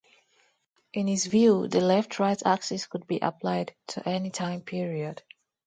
In his view, the left-right axis could be applied to any time period.